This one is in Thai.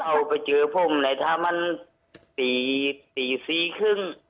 เขาไปเจอผมเลยทั้งมันปีปีสี่ครึ่ง